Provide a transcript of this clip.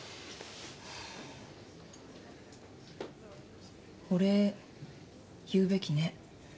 お礼言うべきね。